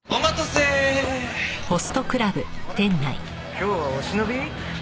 今日はお忍び？